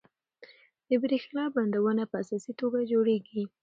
د بریښنا بندونه په اساسي توګه جوړیږي.